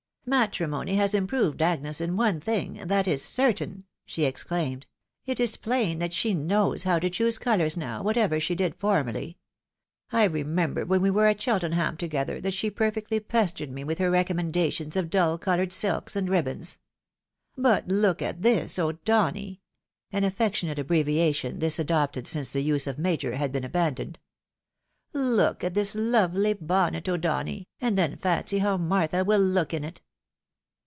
"Matrimony has improTcd Agnes in one thing, that is certain !" she exclaimed. " It is plain that she knows how to choose colours now, whatever she did formerly. I remember when we were at Cheltenham together, that she perfectly pestered me with her recommendations of dull coloured silks and ribbons. But look at this, O'Donny !" (an affectionate abbreviation this, adopted since the use of " Major " had been abandoned). "Look at this lovely bonnet, O'Donny, and then fancy how Martha wiU look in it